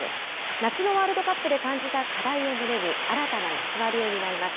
夏のワールドカップで感じた課題を胸に新たな役割を担います。